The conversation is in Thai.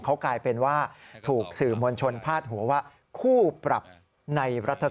เขากลายเป็นว่าถูกสื่อมวลชนพาดหัวว่า